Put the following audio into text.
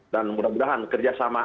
dan mudah mudahan kerja sama